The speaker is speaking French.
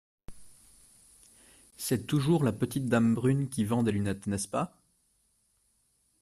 C’est toujours la petite dame brune qui vend des lunettes, n’est-ce pas ?